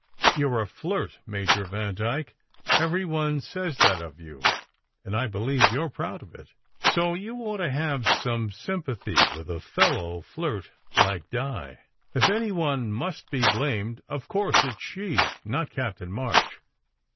You re a flirt, Major Vandyke! Every one says that of you, and I believe you re proud of it. So you ought to have some sympathy with a fellow flirt, like Di. If any one must be blamed, of course it s she, not Captain March.